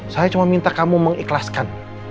saya cuma minta kamu mengikhlaskan